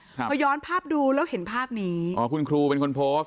พอย้อนภาพดูแล้วเห็นภาพนี้อ๋อคุณครูเป็นคนโพสต์